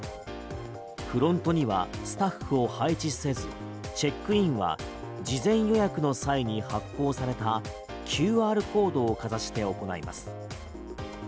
フロントにはスタッフを配置せずチェックインは事前予約の際に発行されたＱＲコードをかざして行います。